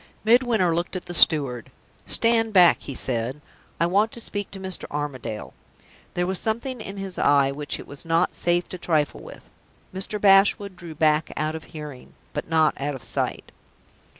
Midwinter looked at the steward. "Stand back," he said. "I want to speak to Mr. Armadale." There was something in his eye which it was not safe to trifle with. Mr. Bashwood drew back out of hearing, but not out of sight.